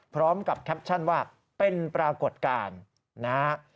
พร้อมกับแคปชั่นว่าเป็นปรากฏการณ์นะฮะ